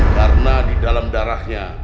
karena di dalam darahnya